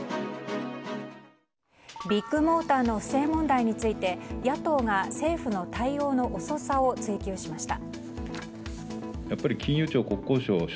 ビッグモーターの不正問題について野党が政府の対応の遅さを追及しました。